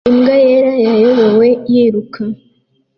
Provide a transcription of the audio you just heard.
Imbwa yera yayobewe yiruka